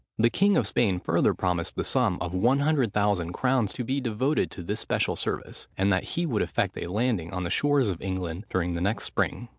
The king of Spain further promised the sum of one hundred thousand crowns, to be devoted to this special service, and that he would effect a landing on the shores of England during the next spring.